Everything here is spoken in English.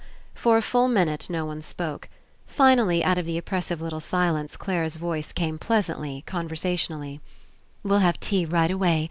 For a full minute no one spoke. Finally out of the oppressive little silence Clare's voice came pleasantly, conversationally: "We'll have tea right away.